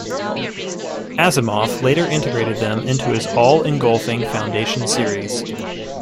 Asimov later integrated them into his all-engulfing Foundation series.